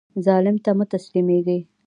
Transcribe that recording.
ظالم ته مه تسلیمیږئ